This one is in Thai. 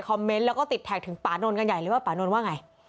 ปานนท์กันใหญ่เลยว่าปานนท์ว่าไง